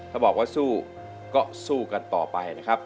ถ้าบอกว่าสู้ก็สู้กันต่อไปนะครับ